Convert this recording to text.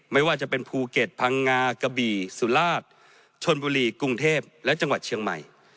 ไม่ว่าจะเป็นภูเก็ตพังงากะบี่สุราชชนบุรีกรุงเทพและจังหวัดเชียงใหม่